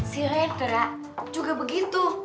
si rendra juga begitu